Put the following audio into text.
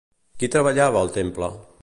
Qui treballava al temple?